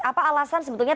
apa alasan sebetulnya